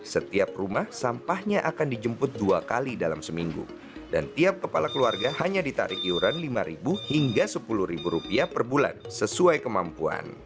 setiap rumah sampahnya akan dijemput dua kali dalam seminggu dan tiap kepala keluarga hanya ditarik iuran lima hingga rp sepuluh per bulan sesuai kemampuan